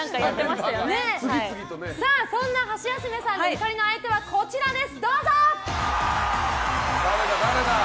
そんなハシヤスメさんの怒りの相手はこちらです。